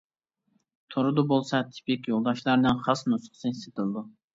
توردا بولسا تىپىك يولداشلارنىڭ خاس نۇسخىسى سېتىلىدۇ.